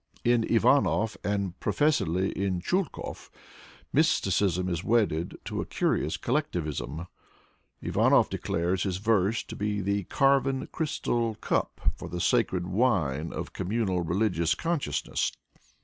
In Ivanov and professedly in Chulkov, mysticism is wedded to a curious collectivism. Ivanov declares his verse to be the carven crystal cup for the sacred wine of communal religious consciousness.